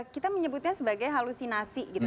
kita menyebutnya sebagai halusinasi gitu